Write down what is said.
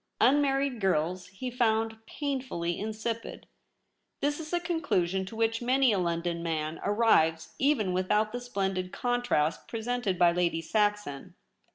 Unmarried girls he found painfully insipid. This is a conclusion to which many a London man arrives even without the splendid contrast presented by a Lady Saxon.